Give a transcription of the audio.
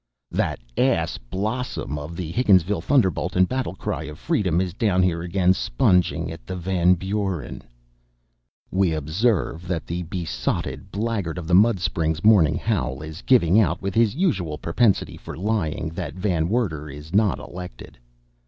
That ass, Blossom, of the Higginsville Thunderbolt and Battle Cry of Freedom, is down here again sponging at the Van Buren. We observe that the besotted blackguard of the Mud Springs Morning Howl is giving out, with his usual propensity for lying, that Van Werter is not elected.